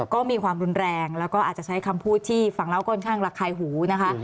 ก็มีความรุนแรงแล้วก็อาจจะใช้คำพูดที่ฟังแล้วค่อนข้างระคายหูนะคะ